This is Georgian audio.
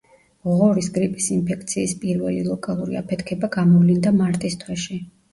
ღორის გრიპის ინფექციის პირველი ლოკალური აფეთქება გამოვლინდა მარტის თვეში.